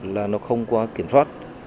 là nó không có kiểm soát